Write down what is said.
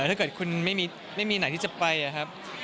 ถ้าเกิดคุณไม่มีไหนที่จะไปนะครับ